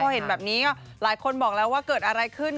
เห็นแบบนี้ก็หลายคนบอกแล้วว่าเกิดอะไรขึ้น